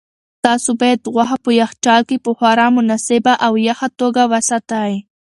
تاسو باید غوښه په یخچال کې په خورا مناسبه او یخه تودوخه کې وساتئ.